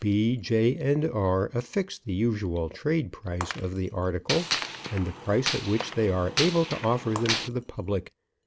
B., J., and R. affix the usual trade price of the article, and the price at which they are able to offer them to the public.